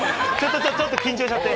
ちょっと緊張しちゃって。